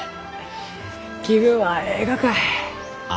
気分はえいがかえ？